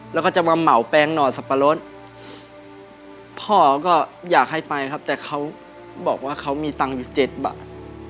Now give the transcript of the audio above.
แล้วก็จะมาเหมาแปลงหน่อสับปะรดพ่อก็อยากให้ไปครับแต่เขาบอกว่าเขามีตังค์อยู่เจ็ดบาท